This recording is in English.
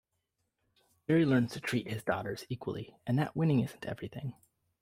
Jerry learns to treat his daughters equally and that winning isn't everything.